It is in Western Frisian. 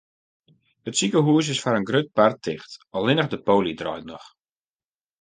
It sikehûs is foar in grut part ticht, allinnich de poly draait noch.